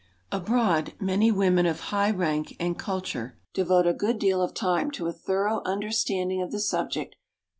Abroad many women of high rank and culture devote a good deal of time to a thorough understanding of the subject.